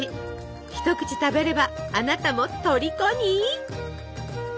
一口食べればあなたもとりこに！